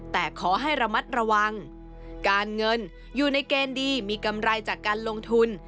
แต่ขอให้ระมัดระวังการเงินอยู่ในเกณฑ์ดีมีกำไรจากการลงทุน